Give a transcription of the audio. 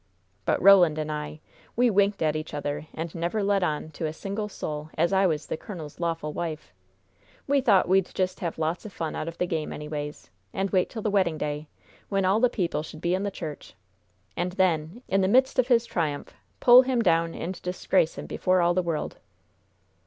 "But Roland and I, we winked at each other, and never let on to a single soul as I was the colonel's lawful wife. We thought we'd just have lots of fun out of the game, anyways, and wait till the wedding day, when all the people should be in the church, and then in the midst of his triumph pull him down and disgrace him before all the world.